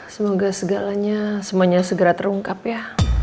semoga segalanya semuanya segera terungkap ya